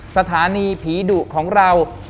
สถานีผีดุของเรา